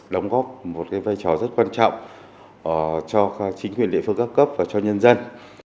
đóng góp một vai trò rất quan trọng cho chính quyền địa phương các cấp và cho nhân dân